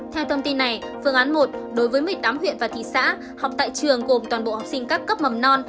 theo thông tin này phương án một đối với một mươi tám huyện và thị xã học tại trường gồm toàn bộ học sinh các cấp mầm non